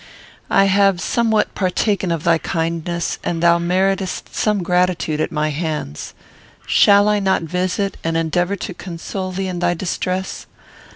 "I have somewhat partaken of thy kindness, and thou meritest some gratitude at my hands. Shall I not visit and endeavour to console thee in thy distress?